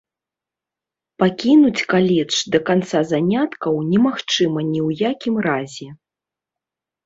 Пакінуць каледж да канца заняткаў немагчыма ні ў якім разе.